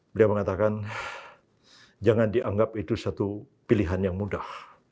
beliau mengatakan jangan dianggap itu satu pilihan yang mudah